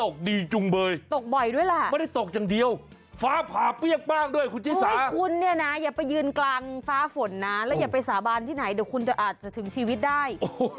คุณเนี่ยนะอย่าไปยืนกลางฟ้าฝนนะแล้วอย่าไปสาบานที่ไหนเดี๋ยวคุณจะอาจจะถึงชีวิตได้